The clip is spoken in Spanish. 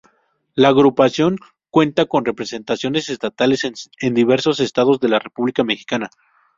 La Agrupación cuenta con representaciones estatales en diversos Estados de la República Mexicana.